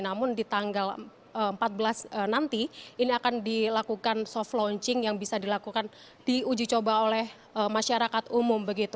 namun di tanggal empat belas nanti ini akan dilakukan soft launching yang bisa dilakukan di uji coba oleh masyarakat umum